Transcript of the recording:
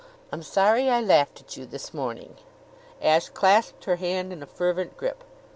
I'm sorry I laughed at you this morning." Ashe clasped her hand in a fervent grip.